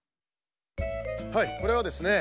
はいこれはですね